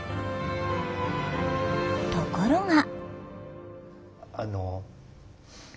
ところが。